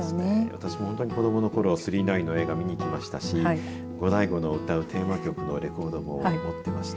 私も本当に子どものころ９９９の映画を見に行きましたしゴダイゴの歌うテーマ曲のレコードも持ってました。